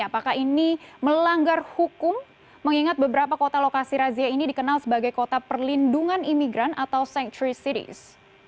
apakah ini melanggar hukum mengingat beberapa kota lokasi razia ini dikenal sebagai kota perlindungan imigran atau sanctory cities